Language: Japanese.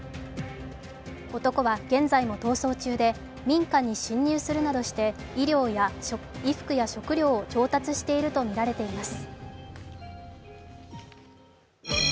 男は現在も逃走中で、民家に侵入するなどして衣服や食料を調達しているとみられています。